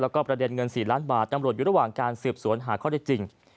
แล้วก็ประเด็นเงิน๔ล้านบาทตำรวจอยู่ระหว่างการสืบสวนหาข้อได้จริง